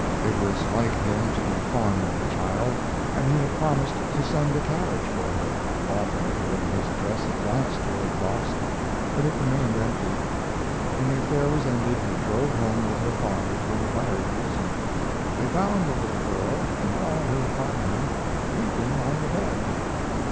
It was like him to be fond of the child, and he had promised to send a carriage for her. Often during his address he glanced toward the box; but it remained empty. When the affair was ended, he drove home with her father to inquire the reason. They found the little girl, in all her finery, weeping on the bed.